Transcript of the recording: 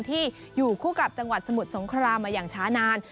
ที่อยู่คู่กับจังหวัดสมุทรสงครามมาอย่างช้านาน